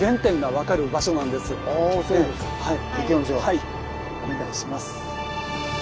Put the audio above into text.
はいお願いします。